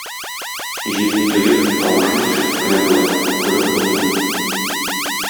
Җилне тоеп, тавышын ишетеп кенә була, күреп булмый.